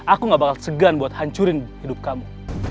aku gak bakal segan buat hancurin hidup kamu